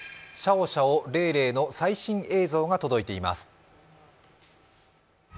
シャオシャオ、レイレイの最新映像が届いています。